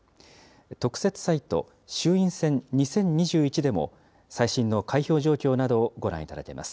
特設サイト衆院選２０２１でも、最新の開票状況などをご覧いただけます。